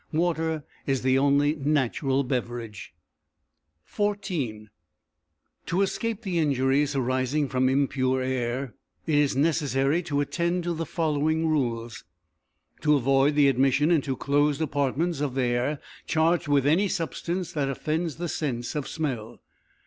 Water is the only natural beverage. XIV To escape the injuries arising from impure air it is necessary to attend to the following rules: To avoid the admission into closed apartments of air charged with any substance that offends the sense of smell.